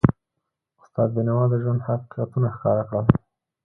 استاد بینوا د ژوند حقیقتونه ښکاره کړل.